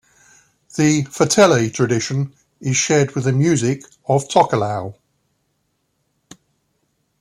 The "fatele" tradition is shared with the music of Tokelau.